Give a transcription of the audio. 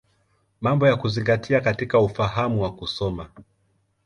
Mambo ya Kuzingatia katika Ufahamu wa Kusoma.